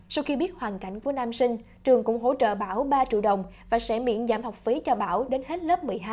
sau khi biết hoàn cảnh của nam sinh trường cũng hỗ trợ bảo ba triệu đồng và sẽ miễn giảm học phí cho bảo đến hết lớp một mươi hai